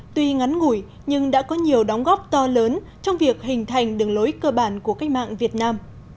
tuy ngắn ngủi nhưng đã có nhiều đóng góp to lớn trong việc hình thành đường lối cơ bản của cách mạng việt nam